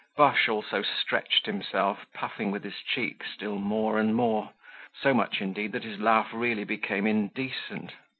Boche also stretched himself, puffing with his cheeks still more and more, so much, indeed, that his laugh really became indecent.